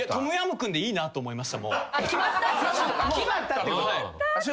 決まったってことか。